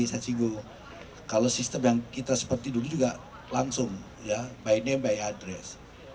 sosial adalah sistem yang kita seperti dulu juga langsung by name by address